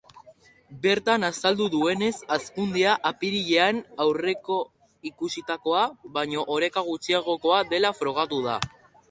Bertan azaldu duenez, hazkundea apirilean aurreikusitakoa baino oreka gutxiagokoa dela frogatu da.